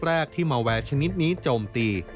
แรกที่มาแวร์ชนิดนี้โจมตี